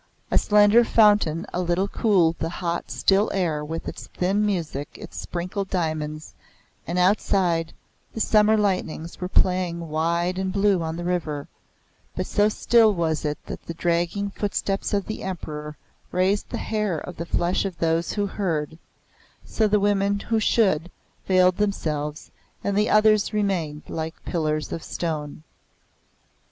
A slender fountain a little cooled the hot, still air with its thin music and its sprinkled diamonds, and outside, the summer lightnings were playing wide and blue on the river; but so still was it that the dragging footsteps of the Emperor raised the hair on the flesh of those who heard, So the women who should, veiled themselves, and the others remained like pillars of stone.